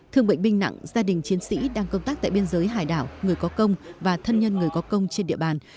thương bệnh binh nặng gia đình chiến sĩ đang công tác tại biên giới hải đảo người có công và thân nhân người có công trên địa bàn